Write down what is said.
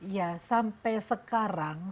ya sampai sekarang